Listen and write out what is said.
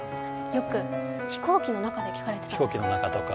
よく飛行機の中で聴かれてたとか。